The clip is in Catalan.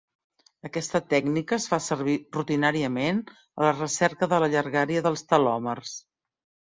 Aquesta tècnica es fa servir rutinàriament a la recerca de la llargària dels telòmers.